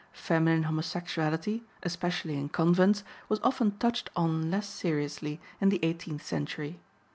Feminine homosexuality, especially in convents, was often touched on less seriously in the eighteenth century.